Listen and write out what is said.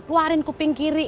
keluarin kuping kiri